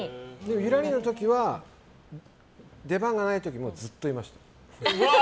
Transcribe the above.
「ゆらり」の時は出番がない時もずっといました。